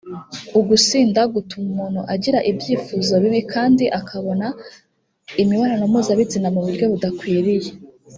ugusinda gutuma umuntu agira ibyifuzo bibi kandi akabona imibonano mpuzabitsina mu buryo budakwiriye